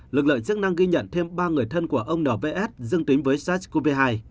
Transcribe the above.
lực lượng chức năng ghi nhận thêm ba người thân của ông nvs dương tính với sars cov hai